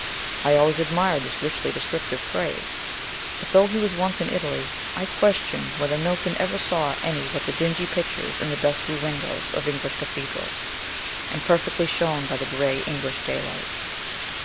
I always admired this richly descriptive phrase; but, though he was once in Italy, I question whether Milton ever saw any but the dingy pictures in the dusty windows of English cathedrals, imperfectly shown by the gray English daylight.